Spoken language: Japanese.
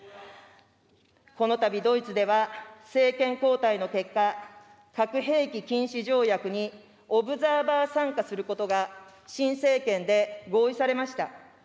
このたびドイツでは、政権交代の結果、核兵器禁止条約にオブザーバー参加することが、新政権で合意されました。